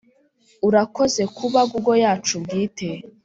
urakoze kuba google yacu bwite.